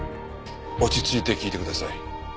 落ち着いて聞いてください。